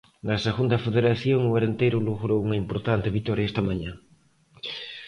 Na Segunda Federación, o Arenteiro logrou unha importante vitoria esta mañá.